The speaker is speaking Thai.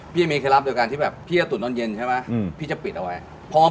พี่แมนเคยรับโดยการที่แบบพี่จะตุ๋นตอนเย็นใช่ปะ